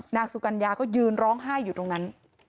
นางสุกัญญาก็ยืนร้องไห้อยู่ตรงนั้น